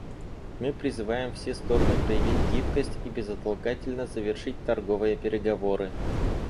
Мы призываем все стороны проявить гибкость и безотлагательно завершить торговые переговоры.